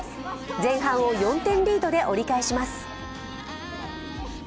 前半を４点リードで折り返します。